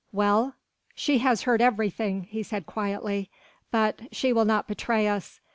"Well?" "She has heard everything," he said quietly, "but, she will not betray us.